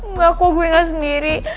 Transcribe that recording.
nggak kok gue gak sendiri